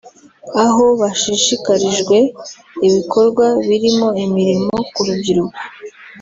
aho bashishikarijwe ibikorwa birimo imirimo ku rubyiruko